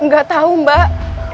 gak tau mbak